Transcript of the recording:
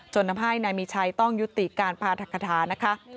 ทำให้นายมีชัยต้องยุติการพาธคฐานะคะ